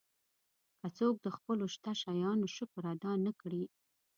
که څوک د خپلو شته شیانو شکر ادا نه کړي.